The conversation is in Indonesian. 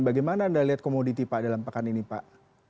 bagaimana anda lihat komoditi pak dalam pekan ini pak